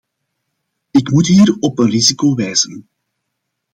Ik moet hier op een risico wijzen.